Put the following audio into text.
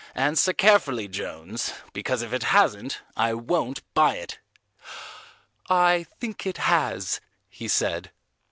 Answer carefully, Jones, because if it hasn't, I won't buy it." "I think it has," he said.